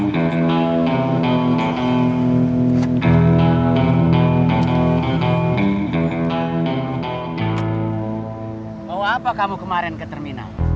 oh apa kamu kemarin ke terminal